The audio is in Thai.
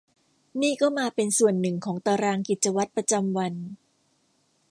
นี่ก็มาเป็นส่วนหนึ่งของตารางกิจวัตรประจำวัน